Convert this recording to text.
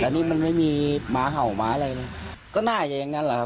แต่นี่มันไม่มีหมาเห่าหมาอะไรเลยก็น่าจะอย่างนั้นแหละครับ